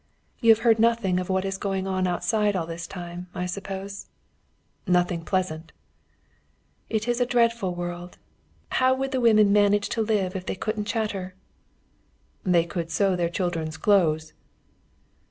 "You have heard nothing of what is going on outside all this time, I suppose?" "Nothing pleasant." "It is a dreadful world. How would the women manage to live if they couldn't chatter?" "They could sew their children's clothes."